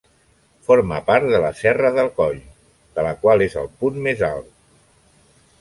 Forma part de la serra de Coll, de la qual és el punt més alt.